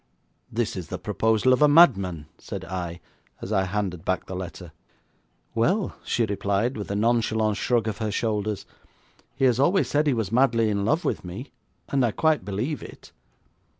'This is the proposal of a madman,' said I, as I handed back the letter. 'Well,' she replied, with a nonchalant shrug of her shoulders, 'he has always said he was madly in love with me, and I quite believe it.